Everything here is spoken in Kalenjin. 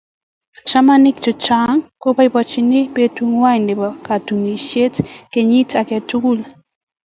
Chamaniik chechang koboibochini betung'wai nebo katunisyet kenyiit age tugul.